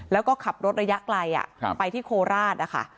แล้วก็ขับรถระยะไกลไปที่โคราชนะคะ